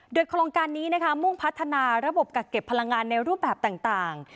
โดยโครงการนี้มุ่งพัฒนาระบบกักเก็บพลังงานในรูปแบบต่าง